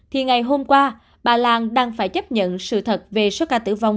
thì ngày hôm qua bà lan đang phải chấp nhận sự thật về số ca tử vong